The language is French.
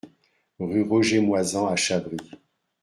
Rue Roger Moisan à Chabris